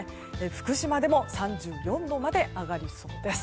福島でも３４度まで上がりそうです。